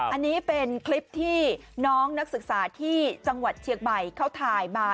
อันนี้เป็นคลิปที่น้องนักศึกษาที่จังหวัดเชียงใหม่เขาถ่ายมา